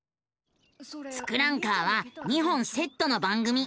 「ツクランカー」は２本セットの番組。